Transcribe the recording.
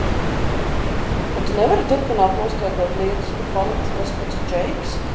Vai tu nevari turpināt noskaidrot lietas, bet palikt tas pats Džeiks?